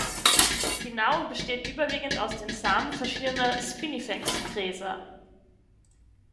Die Nahrung besteht überwiegend aus den Samen verschiedener Spinifex-Gräser.